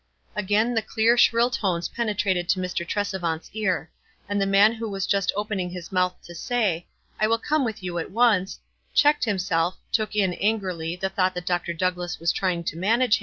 Again the clear, shrill tones penetrated to Mr. Trcsevant's car; and the man who was just .opening his mouth to say, "I will come with you at once," checked himself, took in, angrily, the thought ihat Dr. Douglass was trying to manage.